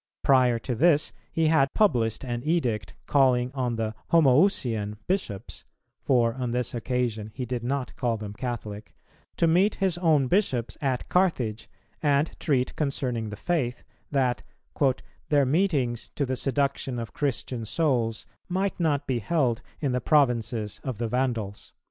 Prior to this he had published an edict calling on the "Homoüsian" Bishops (for on this occasion he did not call them Catholic), to meet his own bishops at Carthage and treat concerning the faith, that "their meetings to the seduction of Christian souls might not be held in the provinces of the Vandals."